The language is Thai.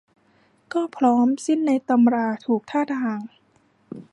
ก็พร้อมสิ้นในตำราถูกท่าทาง